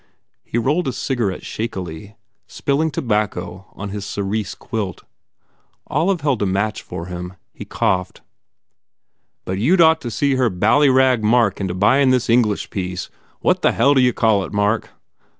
He rolled a cigarette shakily, spilling tobacco on his cerise quilt. Olive held a match for him. He coughed, "But you d ought of seen her ballyrag Mark into buyin this English piece What the hell do you call it, Mark?"